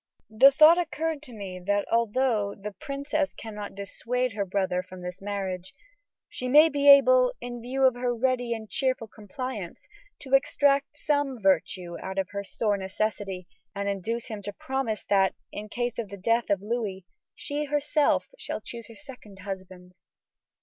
The thought occurred to me that although the princess cannot dissuade her brother from this marriage, she may be able, in view of her ready and cheerful compliance, to extract some virtue out of her sore necessity and induce him to promise that, in case of the death of Louis, she herself shall choose her second husband."